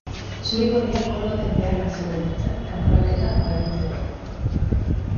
Zuri-gorriak gol baten beharrean zeuden, behintzat kanporaketa berdintzeko.